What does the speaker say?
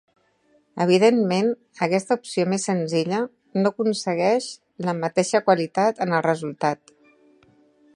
Evidentment, aquesta opció més senzilla, no aconsegueix la mateixa qualitat en el resultat.